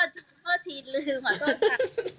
โทษทีลืมขอโทษค่ะ